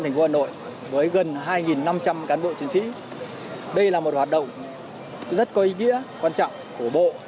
thành phố hà nội với gần hai năm trăm linh cán bộ chiến sĩ đây là một hoạt động rất có ý nghĩa quan trọng của bộ